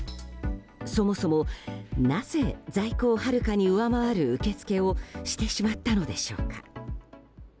そもそも、なぜ在庫をはるかに上回る受け付けをしてしまったのでしょうか。